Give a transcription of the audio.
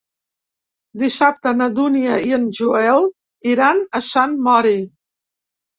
Dissabte na Dúnia i en Joel iran a Sant Mori.